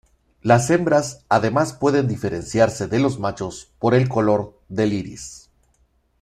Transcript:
La hembras además pueden diferenciarse de los machos por el color del iris.